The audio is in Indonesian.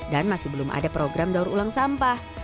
dan masih belum ada program daur ulang sampah